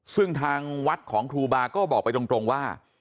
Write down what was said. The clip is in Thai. ซึ่งทางวัดของครูบาก็บอกไปตรงว่า